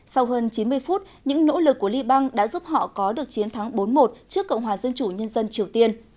sau hơn chín mươi phút những nỗ lực của liban đã giúp họ có được chiến thắng bốn một trước cộng hòa dân chủ nhân dân triều tiên